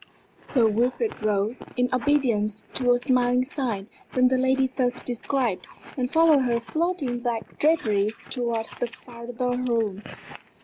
Sir Wilfrid rose, in obedience to a smiling sign from the lady thus described, and followed her floating black draperies towards the farther room.